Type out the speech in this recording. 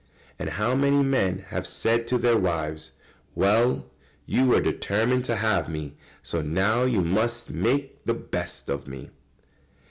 And how many men have said to their wives: "Well! You were determined to have me, so now you must make the best of me."